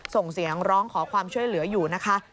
ส่งเสียงร้องขอความช่วยเหลืออยู่นะคะ